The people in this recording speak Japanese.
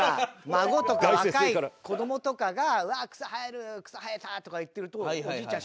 孫とか若い子供とかが「うわっ草生える」「草生えた」とか言ってるとおじいちゃん